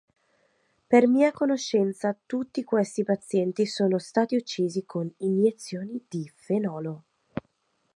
Per mia conoscenza tutti questi pazienti sono stati uccisi con iniezioni di fenolo.